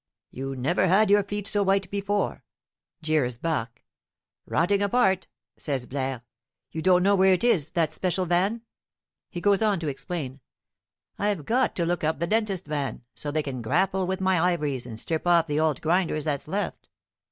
"You never had your feet so white before," jeers Barque. "Rotting apart," says Blaire, "you don't know where it is, that special van?" He goes on to explain: "I've got to look up the dentist van, so they can grapple with my ivories, and strip off the old grinders that's left.